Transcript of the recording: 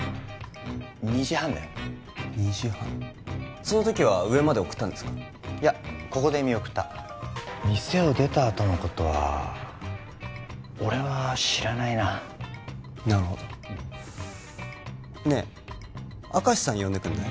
２時半だよ２時半その時は上まで送ったんですかいやここで見送った店を出たあとのことは俺は知らないななるほどねえ明石さん呼んでくんない？